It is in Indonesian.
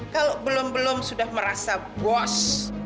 kalau belum belum sudah merasa bos